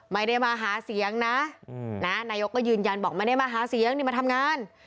ไม่ได้มาหาเสียงนะนายกก็ยืนยันบอกไม่ได้มาหาเสียงนี่มาทำงาน